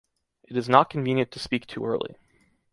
It is not convenient to speak too early.